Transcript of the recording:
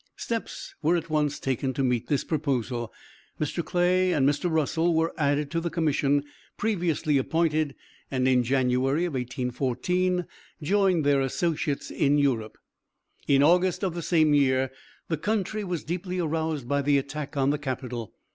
Steps were at once taken to meet this proposal. Mr. Clay and Mr. Russell were added to the commission previously appointed, and in January, 1814, joined their associates in Europe. In August of the same year the country was deeply aroused by the attack on the capitol.